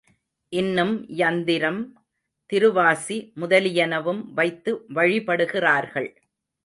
இன்னும் யந்திரம், திருவாசி முதலியனவும் வைத்து வழிபடுகிறார்கள்.